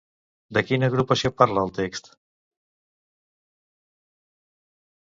De quina agrupació parla el text?